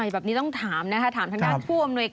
แบบนี้ต้องถามนะคะถามทางด้านผู้อำนวยการ